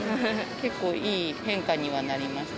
結構、いい変化にはなりまし